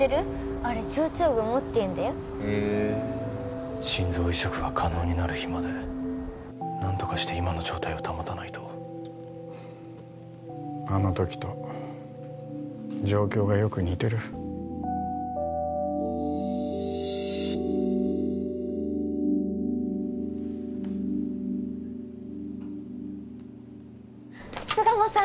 あれ蝶々雲っていうんだよへえ心臓移植が可能になる日まで何とかして今の状態を保たないとあの時と状況がよく似てる巣鴨さん